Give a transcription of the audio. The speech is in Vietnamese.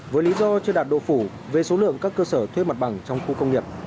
với lý do chưa đạt độ phủ về số lượng các cơ sở thuê mặt bằng trong khu công nghiệp